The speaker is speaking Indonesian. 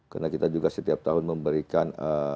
karena kita juga setiap tahun memberikan